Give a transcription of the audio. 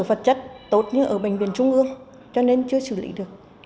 vật chất tốt như ở bệnh viện trung ương cho nên chưa xử lý được